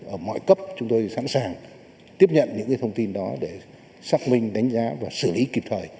ở mọi cấp chúng tôi sẵn sàng tiếp nhận những thông tin đó để xác minh đánh giá và xử lý kịp thời